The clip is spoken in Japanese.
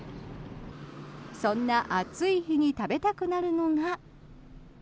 そんな暑い日に食べたくなるのが。